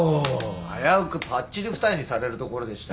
危うくぱっちり二重にされるところでしたよ。